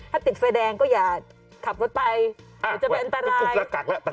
ถ้าติดไฟแดงก็อย่าขับรถไปเดี๋ยวจะเป็นอันตราย